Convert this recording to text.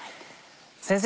先生